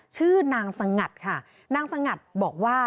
ชื่อนางสงัดค่ะนางสงัดบอกว่า